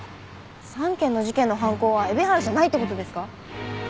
３件の事件の犯行は海老原じゃないって事ですか？